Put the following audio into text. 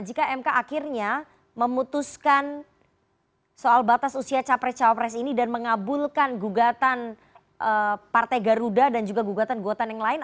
jika mk akhirnya memutuskan soal batas usia capres cawapres ini dan mengabulkan gugatan partai garuda dan juga gugatan gugatan yang lain